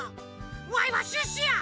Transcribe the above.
わいはシュッシュや！